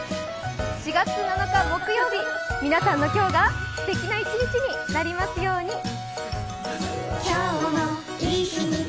４月７日木曜日皆さんの今日がすてきな一日になりますように。